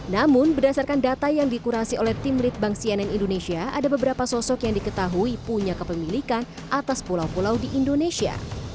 namun berdasarkan data yang dikurasi oleh tim litbang cnn indonesia ada beberapa sosok yang diketahui punya kepemilikan atas pulau pulau di indonesia